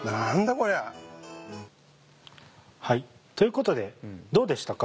こりゃ。ということでどうでしたか？